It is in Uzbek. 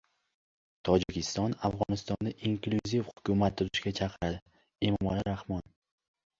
Tojikiston Afg‘onistonda inklyuziv hukumat tuzishga chaqiradi – Emomali Rahmon